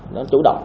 nó chủ động